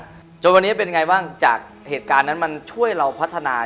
โทษว่าวันนี้มันเป็นไงบ้างแล้วจากเหตุการณ์นั้นมันช่วยเราพัฒนา